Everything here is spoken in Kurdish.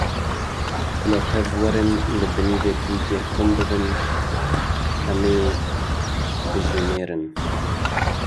Bila tev werin li binê vê twîtê kom bibin, em ê bijimêrin.